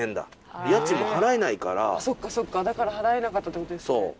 そっかそっかだから払えなかったってことですね。